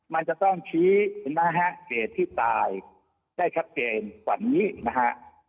มันจะต้องชี้เกตที่ตายได้ชัดเกณฑ์กว่านี้นะฮะ